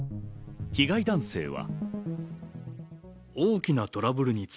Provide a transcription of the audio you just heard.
被害男性は。